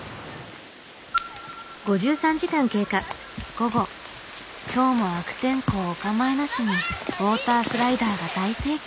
午後今日も悪天候おかまいなしにウォータースライダーが大盛況。